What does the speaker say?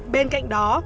bên cạnh đó